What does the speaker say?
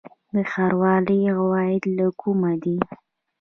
د ښاروالۍ عواید له کومه دي؟